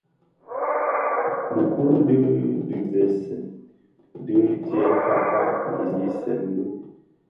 Dhiku di dhibèsèn din dyè faafa nghiesèn bi.